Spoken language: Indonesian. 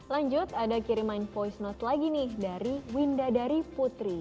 lanjut ada kiriman voice note lagi nih dari winda dari putri